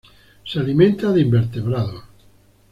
Se alimenta de invertebrados.